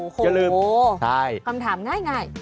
โอ้โหอย่าลืมคำถามง่าย